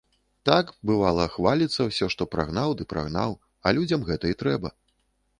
Так, бывала, хваліцца ўсё, што прагнаў ды прагнаў, а людзям гэта і трэба.